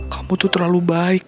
kamu tuh terlalu baik